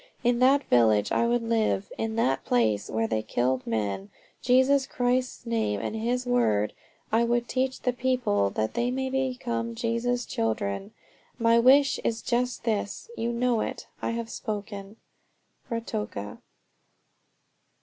In that village I would live. In that place where they killed men, Jesus Christ's name and His word I would teach to the people that they may become Jesus' children. My wish is just this. You know it. I have spoken. RUATOKA."